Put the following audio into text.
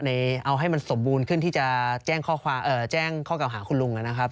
เอาให้มันสมบูรณ์ขึ้นที่จะแจ้งข้อเก่าหาคุณลุงนะครับ